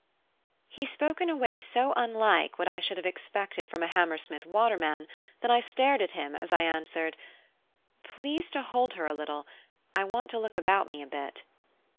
He spoke in a way so unlike what I should have expected from a Hammersmith waterman, that I stared at him, as I answered, "Please to hold her a little; I want to look about me a bit."